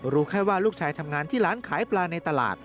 รู้แค่ว่าลูกชายทำงานที่ร้านขายปลาในตลาด